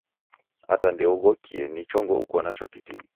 Ata ndeughokie ni chongo uko nacho kitini